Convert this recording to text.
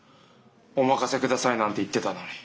「お任せください」なんて言ってたのに。